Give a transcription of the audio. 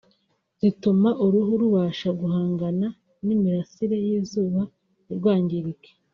zituma uruhu rubasha guhangana n’imirasire y’izuba ntirwangirike